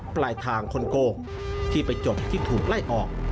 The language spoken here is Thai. ปลายทางคนโกงที่ไปจบที่ถูกไล่ออก